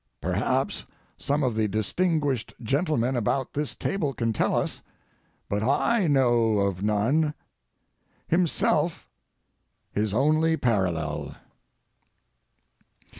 Perhaps some of the distinguished gentlemen about this table can tell us, but I know of none. Himself his only parallel!"